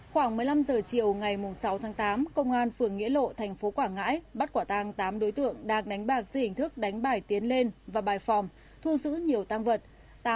khoảng một mươi năm h chiều ngày sáu tháng tám công an phường nghĩa lộ thành phố quảng ngãi bắt quả tang tám đối tượng đang đánh bạc dây hình thức đánh bài tiến lên và bài phòng thu giữ nhiều tăng vật